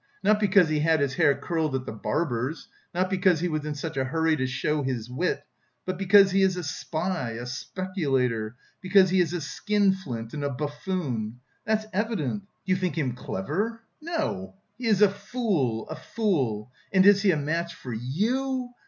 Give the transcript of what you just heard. Not because he had his hair curled at the barber's, not because he was in such a hurry to show his wit, but because he is a spy, a speculator, because he is a skin flint and a buffoon. That's evident. Do you think him clever? No, he is a fool, a fool. And is he a match for you?